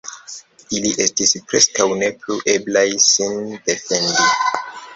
Ili estis preskaŭ ne plu eblaj sin defendi.